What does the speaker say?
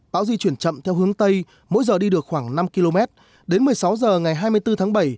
bão di chuyển chậm theo hướng tây mỗi giờ đi được khoảng năm km đến một mươi sáu h ngày hai mươi bốn tháng bảy